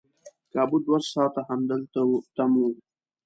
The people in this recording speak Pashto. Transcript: کابو دوه ساعته همدلته تم وو.